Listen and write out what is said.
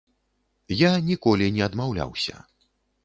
Я ніколі не адмаўляўся.